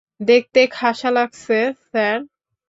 দেখতে খাসা লাগছে, স্যার।